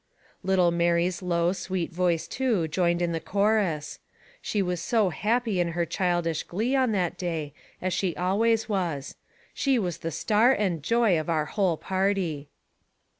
Little Mary's low, sweet voice, too, joined in the chorus. She was so happy in her childish glee on that day, as she always was. She was the star and joy of our whole party.